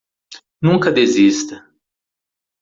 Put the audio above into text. Nunca desista.